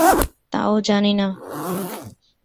তাও জানি না।